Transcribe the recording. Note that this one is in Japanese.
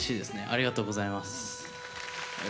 ありがとうございます。